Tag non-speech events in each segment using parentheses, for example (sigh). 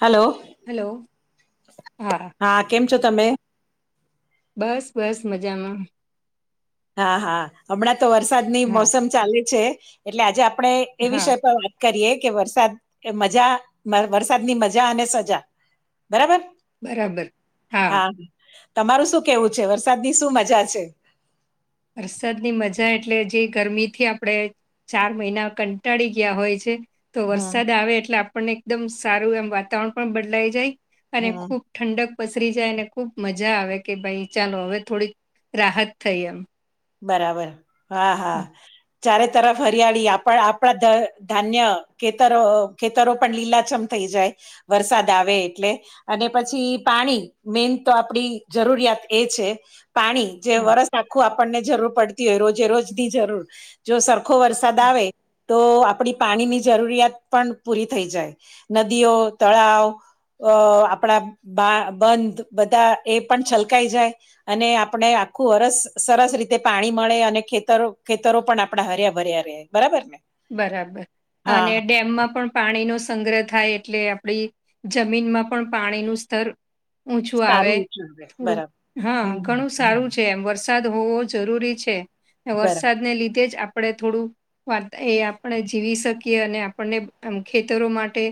Hello. Hello. હા. હા, કેમ છો તમે? બસ-બસ મજામાં. હા, હા. હમણાં તો વરસાદ ની હા મોસમ ચાલે છે, એટલે આજે આપણે એ હા વિષય પર વાત કરીએ, કે વરસાદ એ મજા, મ વરસાદની મજા અને સજા. બરાબર? હા. તમારું શું કહેવું છે? વરસાદની શું મજા છે? વરસાદની મજા એટલે જે ગરમી થી આપણેે ચાર મહિના કંટાળી ગયા હોય છે તો હમ વરસાદ આવે, એટલે આપણને એકદમ સારું એમ વાતાવરણ પણ બદલાઈ જાય. અને હમ ખૂબ ઠંડક પસરી જાય, અને ખુબ મજા આવે, કે ભઈ ચાલો હવે થોડીક રાહત થઈ એમ. બરાબર. હા, હા. ચારે તરફ હરિયાળી આપણ આપણા ધ ધાન્ય ખેતરો અહ ખેતરો પણ લીલાછમ થઈ જાય વરસાદ આવે એટલે. અને પછી પાણી મેઈન તો આપણી જરૂરિયાત એ છે. પાણી જે હા વરસ આખું આપણને જરૂર પડતી હોય, રોજે-રોજની જરૂર જો સરખો વરસાદ હા, આવે તો આપણી પાણીની જરૂરિયાત પણ પૂરી થઈ જાય. નદીઓ, તળાવ અહ આપણા બા બંધ બધા એ પણ છલકાઈ જાય. અને આપણે આખું વર્ષ સરસ રીતે પાણી મળે, અને ખેતરો-ખેતરો પણ આપણાં હર્યા-ભર્યા રહે. બરાબર ને? બરાબર. હા અને હા ડેમમાં પણ પાણી નો સંગ્રહ થાય એટલે આપણી જમીનમાં પણ પાણીનું સ્તર ઊંચું આવે સારું છે હવે થોડું, બરાબર હા. હમ ઘણું હમ, સારું છે એમ. વરસ સાદ હોવો જરૂરી છે. ને બરાબર વરસાદને લીધે જ આપણે થોડું વાત એ આપણે જીવી શકીએ અને આપણને એમ ખેતરો માટે...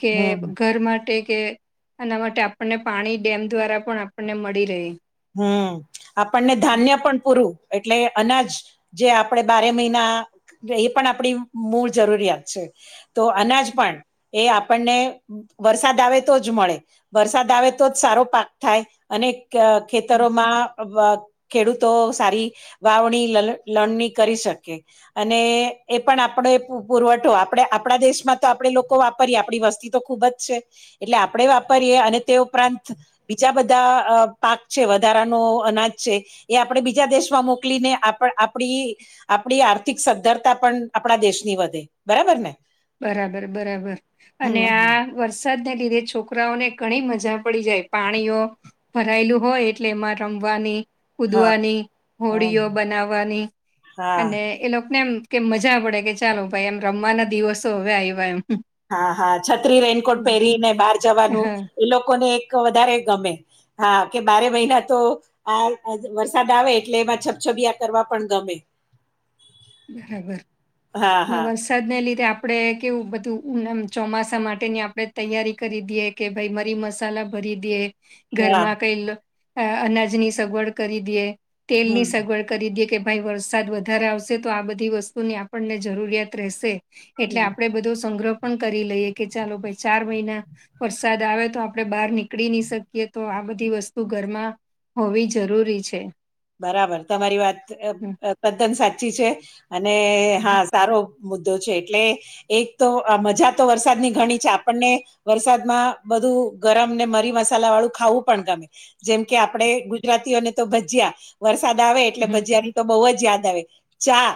કે હમ ઘર માટે કે... એના માટે આપણને પાણી ડેમ દ્વારા પણ આપણને મળી રહે. હ આપણને ધાન્ય પણ પૂરું એટલે અનાજ... જે આપણેે બારે મહિના એ પણ આપણી મૂળ જરૂરિયાત છે. તો અનાજ પણ એ આપણને... વરસાદ આવે તો જ મળે વરસાદ આવે તો જ સારો પાક થાય અને... ખેતરોમાં... ખેડૂતો સારી વાવણી લણણી કરી શકે... અને એ પણ આપણો એ પુરવઠો આપણે આપણા દેશમાં તો આપણેે લોકો વાપરીએ આપણી વસ્તી... ખૂબ જ છે એટલે આપણેે વાપરીએ અને તે ઉપરાંત બીજા બધા અ પાક... છે વધારાનો અનાજ છે એ આપણે બીજા દેશમાં મોકલીને આપ આપડી... આપણી આર્થિક સધ્ધરતા પણ આપણા દેશની વધે બરાબર ને... બરાબર બરાબર હમ અને હમ આ... વરસાદને લીધે છોકરાઓને ઘણી મજા પડી જાય પાણીઓ... ભરાયેલું હોય એટલે એમાં રમવાની. હા કૂદવાની હમ હોડીઓ બનાવાની હા અને... એ લોકોને એમ કે મજા પડે કે ચાલો ભાઈ એમ રમવાના દિવસો હવે આવ્યા એમ.. હા હા છત્રી રેનકોટ પહેરીને બહાર જવાનું હા એ લોકોને એક વધારે ગમે... હા કે બારે મહિના તો... આ વરસાદ આવે એટલે એમાં છબછબીયા કરવા પણ ગમે. બરાબર હા અને વરસાદ... હા વરસાદને લીધે આપણે કેવું બધું ચોમાસા માટેની આપણે તૈયારી કરી દઈએ. કે ભાઈ મરી મસાલા ભરી દિયે... હા ઘરમાં કઈ અનાજની સગવડ કરી દિએ તેલ ની હમ સગવડ... કરી દિયે કે ભાઈ વરસાદ વધારે આવશે તો આ બધી વસ્તુની આપણને જરૂરિયાત રહેશે... એટલે આપણો બધો સંગ્રહ પણ કરી લઈએ કે ચાલો ભાઈ ચાર મહિના... વરસાદ આવે તો આપડે બહાર નીકળી નહી શકીએ તો આ બધી વસ્તુ ઘરમાં... હોવી જરૂરી છે. બરાબર તમારી વાત હમ તદ્દન સાચી છે અને હા હમ સારો... મુદ્દો છે. એટલે એક તો આ મજા તો વરસાદની ઘણી છે આપણને... વરસાદમાં બધું ગરમ ને મરીમસાલા વાળું ખાવું પણ ગમે... જેમ કે આપડે ગુજરાતીઓને તો ભજીયા.. વરસાદ આવે એટલે હમ ભજીયા ની તો બહુ જ યાદ આવે ચા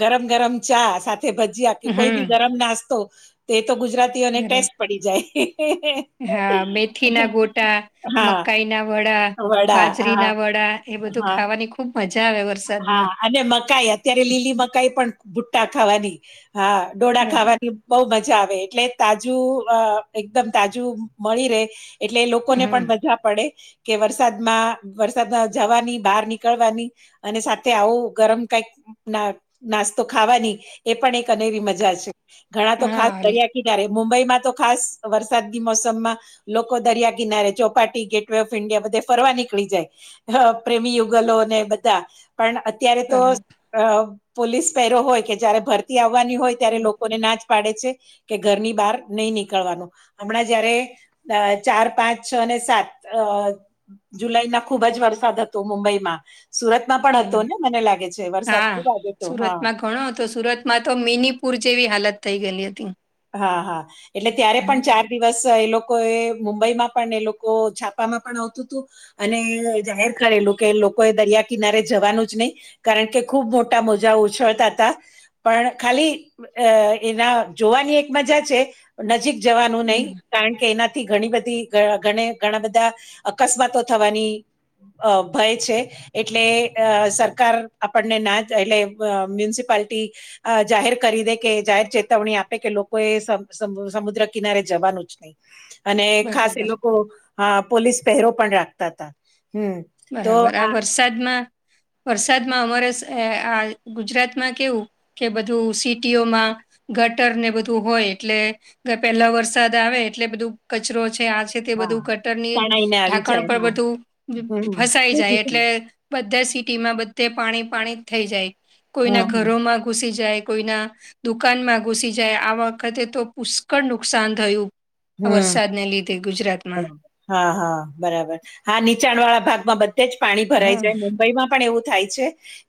ગરમ ગરમ ચા સાથે... ભજીયા કે કોઈ બી હમ ગરમ નાસ્તો તે તો ગુજરાતીઓને બરાબર ટેસ્ટ પડી જાય.. હા મેથી ના ગોટા, હા મકાઈ ના વડા, વડા બાજરી હા ના વડા.... એ બધું હા ખાવાની ખુબ મજા આવે વરસાદમાં... હા અને મકાઈ લીલી મકાઈ પણ ગુટ્ટા ખાવાની હા ડોડા બરાબર ખાવાની... બઉ મજા આવે એટલે તાજું અ એકદમ તાજું મળી રેય... એટલે એ લોકોને પણ હમ મજા પડે. કે વરસાદમાં વરસાદમાં જવાની બહાર નીકળવાની. અને સાથે આવું ગરમ કઈક ના નાસ્તો ખાવાની એ પણ એક અનેરી મજા છે. ઘણા તો ખાસ હા લ- દરિયા કિનારે મુંબઈમાં તો ખાસ વરસાદની મોસમમાં... લોકો દરિયા કિનારે Chowpatty gate way of India બધે ફરવા નીકળી જાય. હ પ્રેમી યુગલો ને બધા... ધા પણ અત્યારે તો બરાબર પોલીસ પહેરો હોય કે જયારે ભર તી આવવાની હોય ત્યારે હમ, લોકોને નાજ પાડે છે કે ઘરની બહાર નહી નીકળવાનું હમણાં જયારે અ ચાર પાંચ છ ને સાત અ જુલાઈ ના ખુબ જ વરસાદ હતો મુંબઈમાં સુરત માં પણ હતો બરાબર ને મને લાગે છે વરસાદ હા ખુબ આયો હતો હા સુરતમાં ઘણો હતો સુરત માં તો મિનીપુર જેવી હાલત થઈ ગયેલી હતી હા હા એટલે ત્યારે પણ હમ ચાર દિવસ એ લોકો એ મુંબઈમાં પણ એ લોકો છાપામાં પણ આવતું હતું અને જાહેર કરેલું કે લોકો એ દરિયા કિનારે જવાનું જ નહી કારણ કે ખૂબ મોટા મોંજા ઉછળતા હતા. પણ ખાલી અ એના જોવાની એક એક મજા છે નજીક જવાનું નહી હમ કારણ કે એનાથી ઘણી બધી ઘણા બધા અકસ્માતો થવાની અ ભય છે. એટલે અ સરકાર આપણને ના જ એટલે મ્યુનિસિપાલટી અ જાહેર કરી દે કે જાહેર ચેતવણી આપે કે લો કો એ સ સમુદ્ર કિનારે જવાનું જ નહી અને ખાસ એ બરાબર લોકો હા પોલીસ પહેરો પણ રાખતા હતા હમ્મ. બરાબર આ વરસાદમાં વરસાદમાં અમારે આ ગુજરાતમાં કેવું કે બધું સિટીઓમાં ગટર ને બધું હોય એટલે પેલા વરસાદ આવે એટલે બધું કચરો છે આ છે તે હા બધું ગટર ની તણાઈને આવી ઢાંકણ જાય પર હા બધું હમ ફસાઈ જાય હમ એટલે બધા સિટીમાં બધે પાણી પાણી થઈ જાય કોઈના હમ ઘરોમાં ઘુસી જાય કોઈના દુકાનમાં ઘુસી જાય આ વખતે તો પુષ્કળ નુકસાન થયું આ હમ વરસાદને લીધે ગુજરાત માં હા હા બરાબર હા નીચાણ વાળા ભાગમાં બધે જ પાણી ભરાઈ હમ જાયને બયમાં પણ એવું થાય છે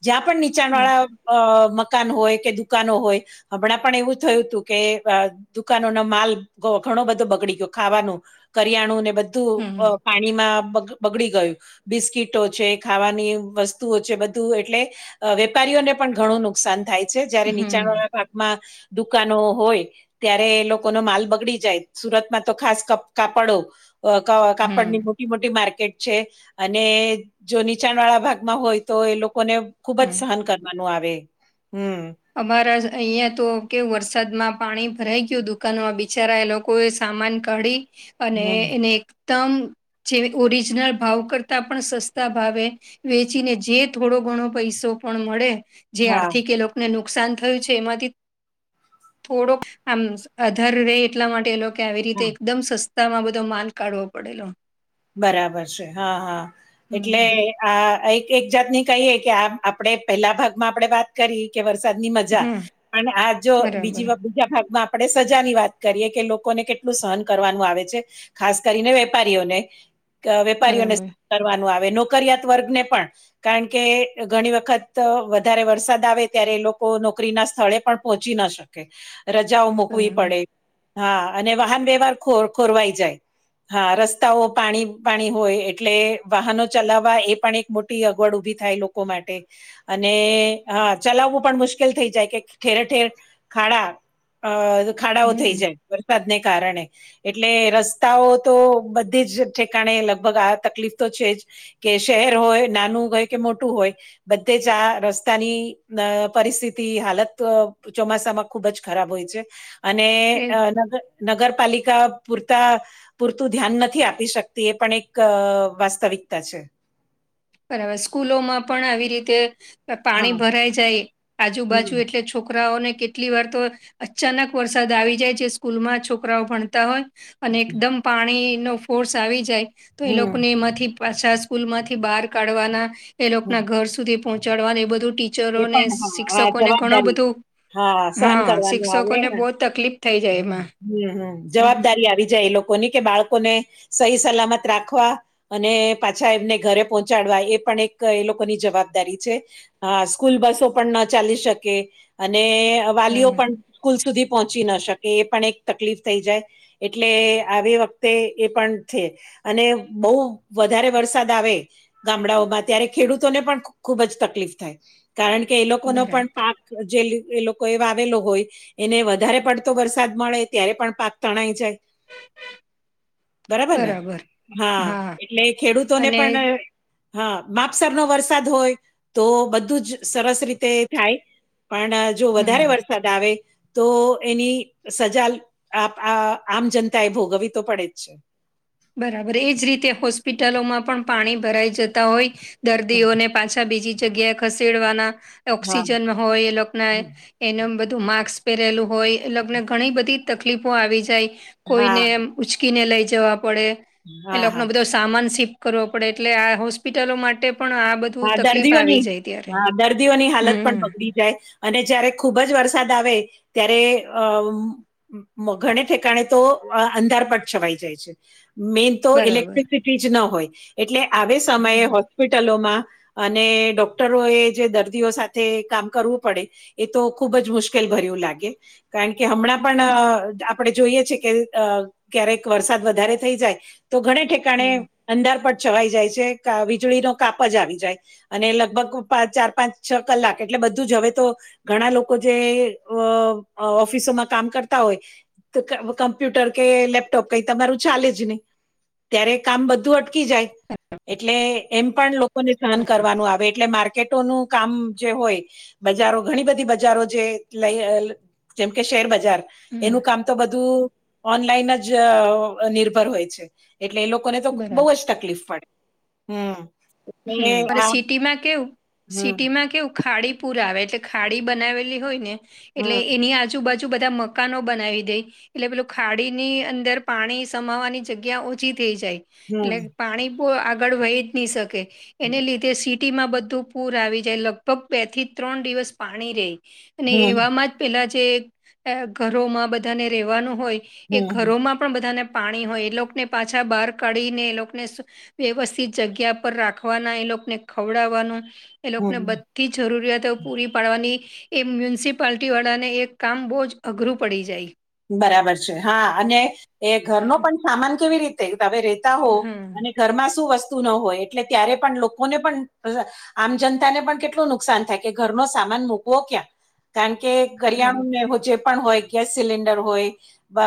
જ્યાં પણ નીચાણ બરા- વાળા અ મકાન હોય કે દુકાનો હોય હમણાં પણ એવું થયું હતું કે અ દુકાનો નો માલ ઘણો બધો બગડી ગયો ખાવાનું કરિયાણું ને હમ બધું પાણીમાં બગડી ગયું બિસ્કીટો છે ખાવાની વસ્તુઓ છે બધું એટલે વેપારીઓને પણ ઘણું નુક સાન થાય છે જ્યારે નીચાણ હમ વાળા ભાગમાં દુકાનો હોય ત્યારે એ લોકોનો માલ બગડી જાય સુરતમાં તો ખાસ કાપડો કાપડની હમ મોટી મોટી માર્કેટ છે અને જો નીચાણ વાળા ભાગમાં હોય તો એ લોકોને ખુબ જ હમ સહન કરવાનુ છે. નું આવે હમ્મ. અમારા અહિયાં તો કે વરસાદમાં પાણી ભરાઈ ગયું દુકાનોમાં બિચારા લો કોએ સામાન કાઢી અને હમ્મ, એને એકદમ જે ઓરિજનલ ભાવ કરતા પણ સસ્તા ભાવે વહેચીને જે થોડો ઘણો પૈસો પણ મળે, જે હા. આર્થિક એ લોક ને નુકસાન થયું છે એમાંથી, થોડોક આમ અધર રહે એટલા માટે એ લોક કોએ આવી રીતે એકદમ સસ્તા માં બધો માલ કાઢવો પડેલો. બરાબર છે હા, હા એટલે હમ આ એક-એક જાત ની કહીએ કે આમ આપણેે પહેલા ભાગમાં આપણે વાત કરી ઈકે વરસાદની મજા. હા અને આ જો બીજી બરાબર વ બીજા ભાગમાં પડે સજા ની વાત કરીએ કે લોકોને કેટલું સહન કરવાનું આવે છે, ખાસ કરીને વેપારીઓને. કે વેપારીઓને બરાબર (inaudible) કરવાનું આવે, નોકરિયાત વર્ગને પણ કારણ કે ઘણી વખત વધારે વરસાદ આવે ત્યારે એ લોકો નોકરી ના સ્થળે પણ પહોંચી ન શકે. કે. રજાઓ મુકવી બરાબર પડે. હા, અને વાહન વ્યવહાર ખો ખોરવાઈ જાય. હા, રસ્તાઓ પાણી-પાણી હોય એટલે વાહનો ચલાવવા એ પણ એક મોટી અગવડ ઉભી થાય લોકો માટે. અને હા ચલાવવું પણ મુશ્કેલ થઈ જાય, કે ઠેર-ઠેર ખાડા અહ, ખાડાઓ થઈ હમ જાય વરસાદને કારણે. એટલે રસ્તાઓ તો બધી જ ઠેકાણે લગભગ આ તકલીફ તો છે જ, કે શહેર હોય નાનું હોય કે મોટું હોય બધે જ આ રસ્તાની અહ પરિસ્થિતિ, હાલત અહ ચોમાસામાં ખુબ જ ખરાબ હોય છે. અને એ અહ નગર નગરપાલિકા પૂરતા પૂરતું ધ્યાન નથી આપી શક તે પણ એક અહ વાસ્તવિકતા છે. બરાબર. સ્કૂલોમાં પણ આવી રીતે હા પાણી ભરાઈ જાય, આજુબાજુ હમ એટલે છોક રાઓને કેટલી વાર તો અચાનક વરસાદ આવી જાય, જે સ્કૂલ માં છોકરાઓ ભણતા હોય અને હમ, એકદમ પાણી નો ફોર્સ આવી જાય તો એ હમ લોકને એમાંથી પાછા સ્કૂલ માંથી બહાર કાઢવાના, એ લોક ના ઘર સુધી પહોંચાડવા એ બધું ટી એ પણ, હા, હા જવાબદારી હા. સહન કરવાનું આવે. શિક્ષકોને બહુ તકલીફ થઈ જાય એમાં હમ્મ-હમ્મ-હમ્મ. હમ જવાબદારી આવી જાય એ લોક કોની કે બાળકોને સહી સલામત રાખવા અને પાછા એમને ઘરે પહોંચાડવા એ પણ એક એ લોકોની જવાબદારી છે. હા, સ્કૂલ બસો પણ ન ચાલી શકે, અને વાલીઓ બરાબર પણ કુલ સુધી પહોંચી ન શકે એ પણ એક તકલીફ થઈ જાય. એટલે આવી વખતે એ પણ છે અને બોઉ વધારે વરસાદ આવે ગામડાઓમાં, ત્યારે ખેડૂતોને પણ ખુબ જ તકલીફ થાય. કારણ કે એ લોકોનો બરાબર પણ પાક જે લી એ લોકોએ વાવેલો હોય એને વધારે પડતો વરસાદ મળે ત્યારે પણ પાક તણાઈ જાય. બરાબર ને? હા. એટલે ખેડૂતોને અને પણ હા. માપસર નો વરસાદ હોય તો બધ ધું જ સરસ રીતે થાય. પણ, જો હમ વધારે વરસાદ આવે તો એની સજા આપ આ આમ જનતા એ ભોગવી તો પડે જ છે. બરાબર. એજ રીતે હોસ્પિટલોમાં પણ પાણી ભરાઈ જતા હોય દર્દીઓને પાછા બીજી જગ્યાએ ખસેડવાના, હા ઓક્સિજન હોય એ લોક નાએ એનું બધું માક્સ પહેરેલું હોય, એ લોકને ઘણી બધી તકલીફો આવી જાય, હા હા કોઈને એમ ઊંચકીને લઈ જવા પડે, એ હા હા લોક નો બધો સ સામાન શીફ્ટ કરવો પડે, એટલે આ હોસ્પિટલો માટે પણ આ બધ હા દર્દીઓની, હા દર્દીઓની હાલત પણ હમ બગડી જાય. અને જયારે ખુબ જ વરસાદ આવે ત્યારે અમ્મ મમ ઘણે ઠેકાણે તો અ અંધારપટ છવાઈ જાય છે. મેઈન તો બરાબર ઇલેક્ટ્રિસિટી જ ન હોય, એટલે આવે સમયે હમ હોસ્પિટલોમાં અને ડોક્ટરોએ જે દર્દીઓ સાથે કામ કરવું પડે એ તો ખુબ જ મુશ્કેલ ભર્યું લાગે. કારણ કે હમણાં હમ પણ આપણે જોઈએ છે કે અ. ક્યારેક વરસાદ વધારે થઈ જાય તો ઘ ઠ. કારણે હમ અંધારપટ છવાઈ જાય છે કા વીજળી નો કાપ જ આવી જાય અને લગભગ પા ચાર પાંચ છ એટલે બધું જ હવે તો- - ઘણા લોકો જે અ અ ઓફિસોમાં કામ કરતા હોય- - તો કમ્પ્યુટર કે લેપટોપ કઈ તમારું ચાલે જ નહી ત્યારે કામ બધું અટ- - જાય એટલે એમ પણ લોકોને સહન કરવાનું આવે એટલે માર્કેટોનું- - કામ જે હોય બજારો ઘણી બધી બજારો જે લઈ- - જેમ કે શેરબજાર- - એનું હમ કામ તો બધું ઓનલાઈન જ નિર્ભર હોય છે એટલે એ લોકો- - કો ને તો બરાબર બહુ જ તકલીફ પડે હમ. એ હમ અને આ સિટીમાં કેવું હમ સિટીમાં કેવું ખાડી- - પૂર આવે એટલે ખાડી બનાલી હોય ને એટલે હમ એની આ- - આજુબાજુ બધા મકાનો બનાવી દઈ- - એટલે પેલું ખાડીની અંદર પાણી સમાવાની જગ્યા ઓછી થઈ જાય- - હમ એટલે પાણી બઉ આગળ વહી જ નહી શકે હમ એને લીધે- - તેસિટી માં બધું પૂર આવી જાય લગભગ બે થી ત્રણ દિવસ પાણી રહી. અને એવામાં જ પેલા જે ઘરોમાં બધાને રહેેવાનું હોય એ હમ ઘરોમાં- - પણ બધાને પાણી હોય એ લોકોને પાછા બહાર કાઢીને એ લોકોને સુ- - વ્યવસ્થિત જગ્યા પર રાખવાના એ લોકને ખવડાવવાનું એ લોકોને હમ બ- - થી જરૂરિયાતો પૂરી પાડવાની- - એ મ્યુનિસિપાલટી વાળા ને એક કામ બહુ જ અઘરું પડી જાય. બરાબર છે હા અને એ ઘરનો પણ સામાન કેવી રીતે તમે રેતા હો હમ અને- - ઘરમાં શું વસ્તુ ન હોય એટલે ત્યારે પણ લોકોને પણ- - આમ જનતા ને પણ કેટલું નુકસાન થાય કે ઘરનો સામાન મૂકવો ક્યાં- - કારણ કે કરિયાળુ બરાબર ને એવું જે પણ હોય ગેસ સિલિન્ડર હોય- - બ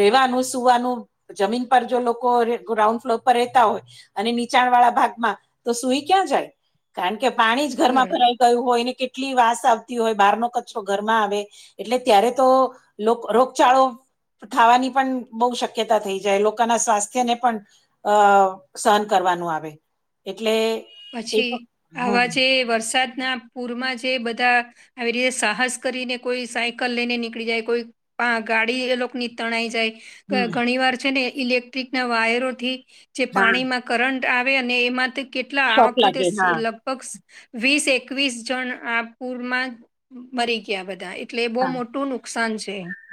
રેવાનું સુવાનું જમીન પર જો લોકો ગ્રાઉન્ડ ફ્લોર પર રહેેતા હોય- - અને નીચાણ વાળા ભાગમાં તો સુઈ ક્યાં જાય કારણ કે પાણી જ ઘરમાં બરાબર. ભરાય- - કયું હોયને કેટલી વાસ આવતી હોય બાર ન કચરો ઘરમાં આવે એટલે ત્યારે તો- - રોગચાળો થાવાની પણ બહુ શક્યતા થઈ જાય લોકોના સ્વાસ્થ્યને પણ- - અ સહન કરવાનું આવે એટલે- - પછી આવા જે વરસાદના પૂરમાં જે બધા- - આવી રીતે સાહસ કરીને કોઈ સાયકલ લઈને નીકળી જાય કોઈ- - માં ગાડી એ લોક ની તણાઈ જાય. હમ ઘણી વાર છે ઇલેક્ટ્રિક ના વાયરોથી જે હા પાણીમાં. કરંટ આવે અને એમાંથી કેટલા આ શોક વખતે લાગે સે હા લગ પક્ષ વીસ એકવીસ જણ આ પુરમાં મરી ગ્યા બધા ય. હા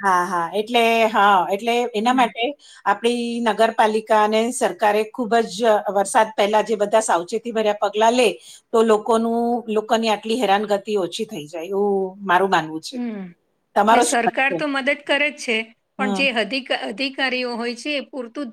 હા હા એટલે હા એટલે એના હમ માટે આપણી નગરપાલિકા અને સરકારે ખુબ જ વરસાદ પહેલા જે બધા સાવચેત. ભર્યા પગલા લે- - તો લોકોનું લોકોની આટલી હેરાનગતિ ઓછી થઈ જાય એવું મારું માનવું છે. હમ એટલે તમારો શું મત સરકાર છે તો મદદ કરે જ છે પણ હમ જે અધિક અધિક- - કારીઓ હોય છે એ પૂરતું-.